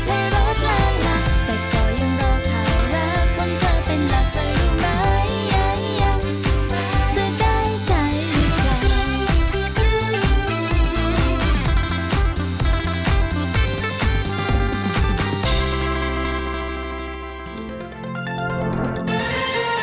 โปรดติดตามตอนต่อไป